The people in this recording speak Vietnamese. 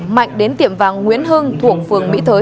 mạnh đến tiệm vàng nguyễn hưng thuộc phường mỹ thới